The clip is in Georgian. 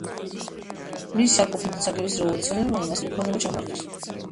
მისი არ ყოფნით ისარგებლეს რევოლუციონერებმა და მას მთელი ქონება ჩამოართვეს.